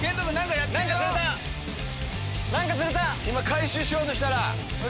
今回収しようとしたら。